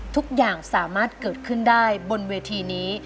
ทุกอย่างสามารถเกิดขึ้นได้บนเวทีนี้